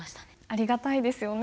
ありがたいですよね。